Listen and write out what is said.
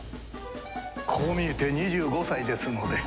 こう見えて２５歳ですので。